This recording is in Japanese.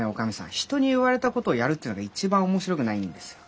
人に言われたことをやるっていうのが一番面白くないんですよ。